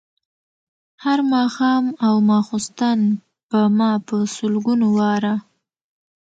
هر ماښام او ماخوستن به ما په سلګونو واره.